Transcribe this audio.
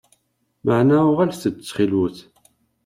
Meɛna uɣalet-d ttxil-wet!